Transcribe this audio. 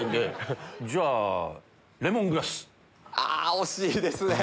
惜しいですね。